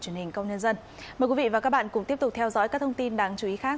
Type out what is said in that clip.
truyền hình công nhân dân mời quý vị và các bạn cùng tiếp tục theo dõi các thông tin đáng chú ý khác